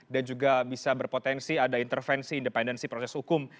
dan juga bisa berpotensi ada intervensi independensi proses hukum